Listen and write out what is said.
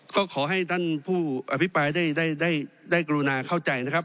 ก็ขอให้ท่านผู้อภิปรายได้ได้กรุณาเข้าใจนะครับ